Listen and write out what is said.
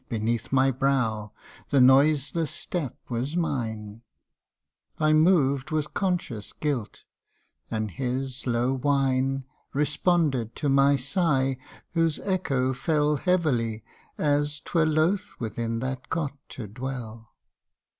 Beneath my brow ; the noiseless step was mine ; I moved with conscious guilt, and his low whine Responded to my sigh, whose echo fell Heavily as 'twere loth within that cot to dwell.